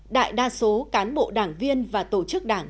đại đa số cán bộ đảng viên và tổ chức đảng